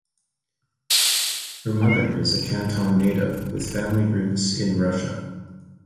Her mother is a Canton native with family roots in Russia.